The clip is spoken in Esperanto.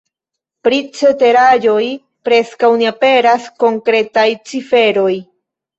Pri ceteraĵoj preskaŭ ne aperas konkretaj ciferoj.